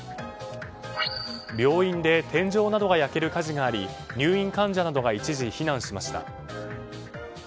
病院で天井などが焼ける火事があり入院患者などが一時、避難しました。